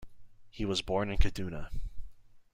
He was born in Kaduna.